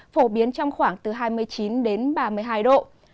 phổ biến trong khoảng từ hai mươi chín đến ba mươi hai độ